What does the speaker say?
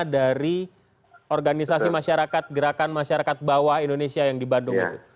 dari organisasi masyarakat gerakan masyarakat bawah indonesia yang di bandung itu